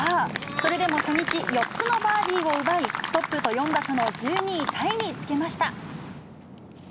それでも初日、４つのバーディーを奪い、トップと４打差の１２位タイにつけました。